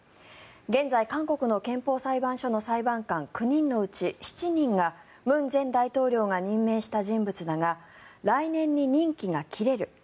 現在、韓国の憲法裁判所の裁判官９人のうち７人が文前大統領が任命した人物だが来年に任期が切れる。